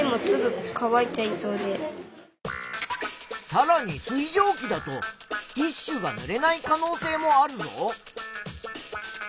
さらに水蒸気だとティッシュがぬれない可能性もあるぞ。